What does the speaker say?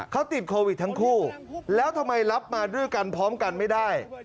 เขาติดโควิดทั้งคู่แล้วทำไมรับมาด้วยกันพร้อมกันไม่ได้